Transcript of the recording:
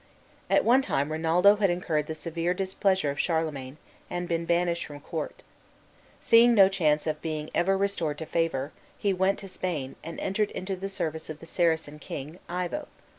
At one time Rinaldo had incurred the severe displeasure of Charlemagne, and been banished from court. Seeing no chance of being ever restored to favor, he went to Spain, and entered into the service of the Saracen king, Ivo.